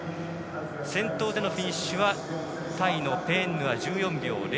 先頭でのフィニッシュはタイのペーンヌア、１４秒００。